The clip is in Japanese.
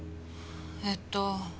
えっと